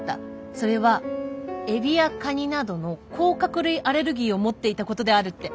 それはエビやカニなどの甲殻類アレルギーを持っていたことである」って！